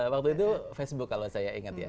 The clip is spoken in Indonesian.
waktu itu facebook kalau saya ingat ya